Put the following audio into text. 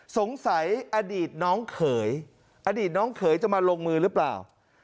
อดีตน้องเขยอดีตน้องเขยจะมาลงมือหรือเปล่า